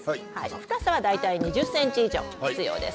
深さは大体２０ｃｍ以上必要です。